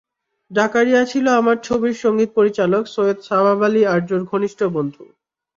জাকারিয়া ছিল আমার ছবির সংগীত পরিচালক সৈয়দ সাবাব আলী আরজুর ঘনিষ্ঠ বন্ধু।